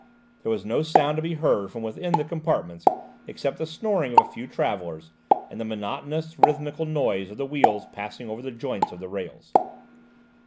There was no sound to be heard from within the compartments except the snoring of a few travellers and the monotonous, rhythmical noise of the wheels passing over the joints of the rails.